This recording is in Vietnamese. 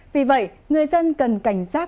vì vậy người dân cần cảnh giác